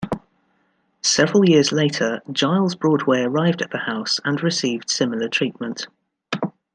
Several years later, Giles Broadway arrived at the house and received similar treatment.